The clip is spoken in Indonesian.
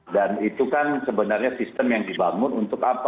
dan itu kan sebenarnya sistem yang dibangun untuk apa